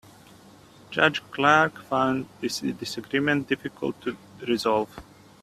Judge Clark found this disagreement difficult to resolve.